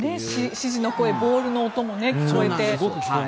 指示の声ボールの音も聞こえて。